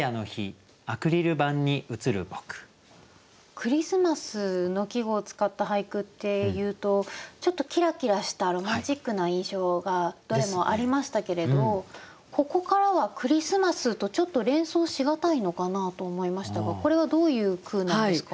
クリスマスの季語を使った俳句っていうとちょっとキラキラしたロマンチックな印象がどれもありましたけれどここからはクリスマスとちょっと連想しがたいのかなと思いましたがこれはどういう句なんですか？